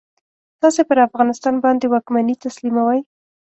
تاسې پر افغانستان باندي واکمني تسلیموي.